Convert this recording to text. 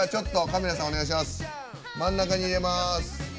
真ん中に入れます。